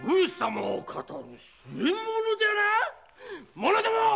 者ども！